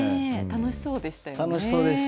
楽しそうでした。